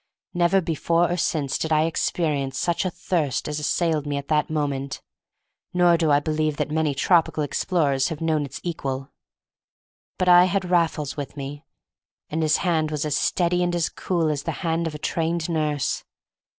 Never before or since did I experience such a thirst as assailed me at that moment, nor do I believe that many tropical explorers have known its equal. But I had Raffles with me, and his hand was as steady and as cool as the hand of a trained nurse.